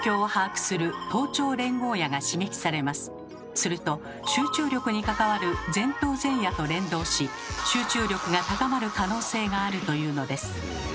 すると集中力に関わる前頭前野と連動し集中力が高まる可能性があるというのです。